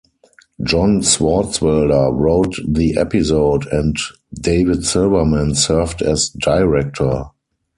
John Swartzwelder wrote the episode and David Silverman served as director.